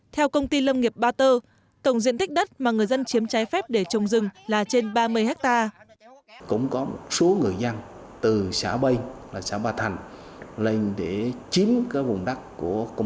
theo công ty lâm nghiệp ba tơ tổng diện tích đất mà người dân chiếm trái phép để trồng rừng là trên ba mươi hectare